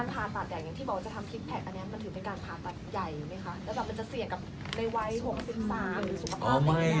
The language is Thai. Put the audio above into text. แล้วก็เป็นแต่เสี่ยงในวัย๖๓โดยใหญ่